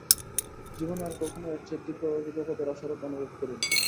জীবনে আর কখনও এর চেয়ে তীব্রভাবে জগতের অসারতা অনুভব করিনি।